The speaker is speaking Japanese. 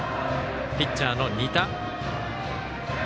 ピッチャーの仁田。